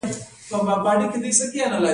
منبر د هدایت ځای دی